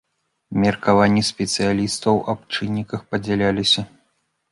Меркаванні спецыялістаў аб чынніках падзяліліся.